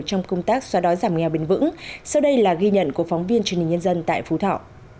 trong công tác xóa đói giảm nghèo bền vững sau đây là ghi nhận của phóng viên truyền hình nhân dân tại phú thọ